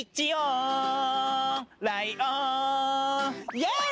イエーイ！